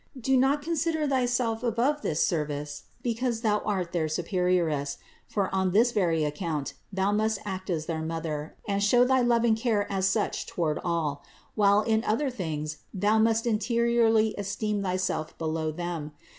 Do not consider thyself above this service because thou art their superioress ; for on this very account thou must act as their mother and show thy loving care as such toward all, while in other things thou must interiorly esteem thyself below them.